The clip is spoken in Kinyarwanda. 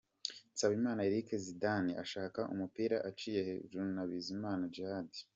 Nsabimana Eric Zidane ashaka umupira aciye hejuru ya Bizimana Djihad.